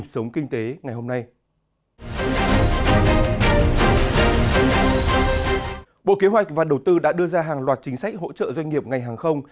bộ kế hoạch và đầu tư đã đưa ra hàng loạt chính sách hỗ trợ doanh nghiệp ngành hàng không